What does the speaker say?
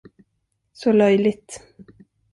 Så löjligt!